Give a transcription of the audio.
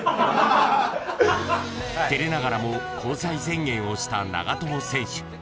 ［照れながらも交際宣言をした長友選手］